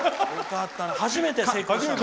初めて成功した。